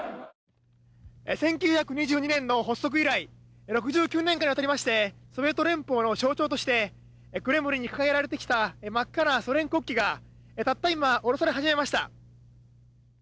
１９２２年の発足以来６９年間にわたりましてソビエト連邦の象徴としてクレムリンに掲げられてきた真っ赤なソ連国旗がたった今、降ろされ始めました。